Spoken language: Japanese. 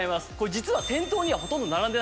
実は。